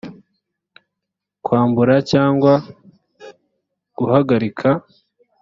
kwambura cyangwa guhagarika